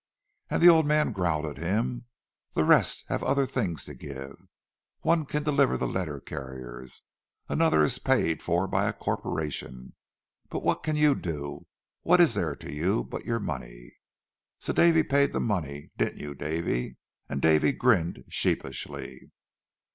And the old man growled at him, 'The rest have other things to give. One can deliver the letter carriers, another is paid for by a corporation. But what can you do? What is there to you but your money?'—So Davy paid the money—didn't you, Davy?" And Davy grinned sheepishly.